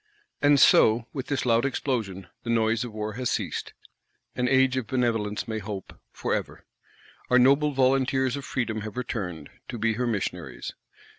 And so, with this loud explosion, the noise of War has ceased; an Age of Benevolence may hope, for ever. Our noble volunteers of Freedom have returned, to be her missionaries.